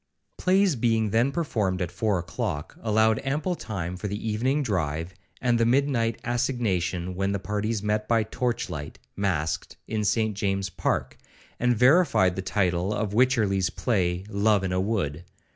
Plays being then performed at four o'clock, allowed ample time for the evening drive, and the midnight assignation, when the parties met by torch light, masked, in St James's park, and verified the title of Wycherly's play, 'Love in a Wood.'